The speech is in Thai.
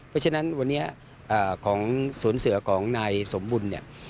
เพราะฉะนั้นวันนี้สวนเสือของนายสมบุญ